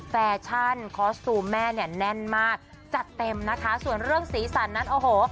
แฟชั่นคอสตูมแม่เนี่ยแน่นมากจัดเต็มนะคะส่วนเรื่องสีสันนั้นโอ้โห